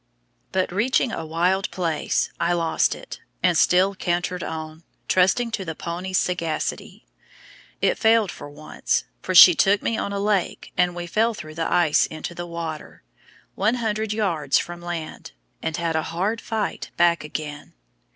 But reaching a wild place, I lost it, and still cantered on, trusting to the pony's sagacity. It failed for once, for she took me on a lake and we fell through the ice into the water, 100 yards from land, and had a hard fight back again.